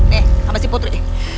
nih sama si putri